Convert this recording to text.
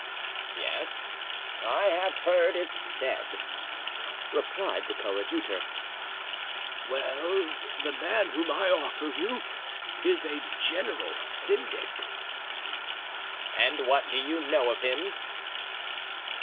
"Yes, I have heard it said," replied the coadjutor. "Well, the man whom I offer you is a general syndic." "And what do you know of him?"